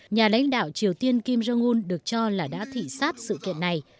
nhà đánh đạo triều tiên kim jong un được cho là đã thị sát sự kiện này